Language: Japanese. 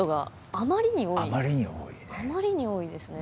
あまりに多いですね。